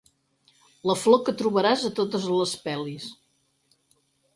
La flor que trobaràs a totes les pel·lis.